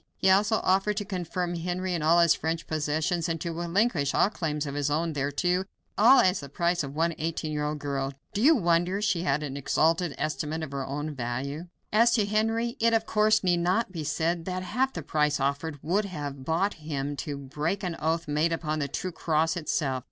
He also offered to confirm Henry in all his French possessions, and to relinquish all claims of his own thereto all as the price of one eighteen year old girl. Do you wonder she had an exalted estimate of her own value? As to Henry, it, of course, need not be said, that half the price offered would have bought him to break an oath made upon the true cross itself.